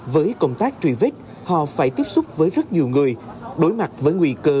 với công tác truy vết họ phải tiếp xúc với rất nhiều người đối mặt với nguy cơ